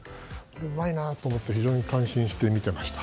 うまいなと思って非常に感心して見ていました。